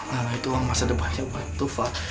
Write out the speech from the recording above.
gak lah itu uang masa depannya buat tufa